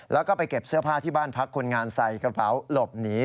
แล้วก็ไปเก็บเสื้อผ้าที่บ้านพักคนงานใส่กระเป๋าหลบหนี